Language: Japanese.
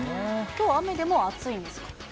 きょう、雨でも暑いんですか。